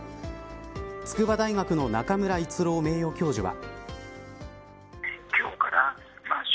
筑波大学の中村逸郎名誉教授は。